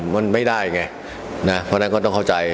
มันไม่ได้ไงนะเพราะฉะนั้นก็ต้องเข้าใจ